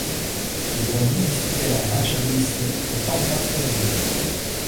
Les Bandits disputaient leurs matchs à domicile au Tampa Stadium.